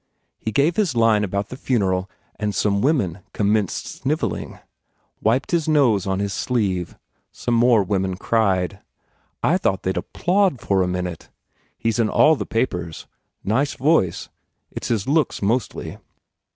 He gave his line about the funeral and some women commenced snivelling. Wiped his nose on his sleeve. Some more women cried. I thought they d applaud for a minute. He s in all the papers. Nice voice. It s his looks mostly."